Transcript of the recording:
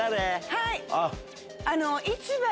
はい！